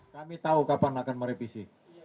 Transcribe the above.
kami tahu kapan akan merevisi